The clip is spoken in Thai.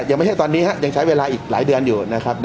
ยังไม่ใช่ตอนนี้ฮะยังใช้เวลาอีกหลายเดือนอยู่นะครับ